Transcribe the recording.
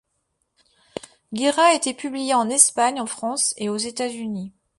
Guéra a été publié en Espagne, en France et aux États-Unis.